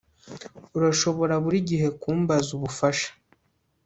Urashobora buri gihe kumbaza ubufasha